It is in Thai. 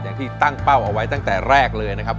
อย่างที่ตั้งเป้าเอาไว้ตั้งแต่แรกเลยนะครับ